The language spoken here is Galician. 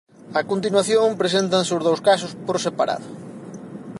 A continuación preséntanse os dous casos por separado.